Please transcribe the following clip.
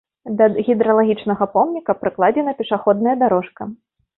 Да гідралагічнага помніка пракладзена пешаходная дарожка.